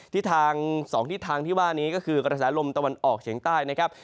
ทิศทาง๒ทิศทางที่ว่านี้ก็คือกระแสลมตะวันออกเฉียงใต้นะครับ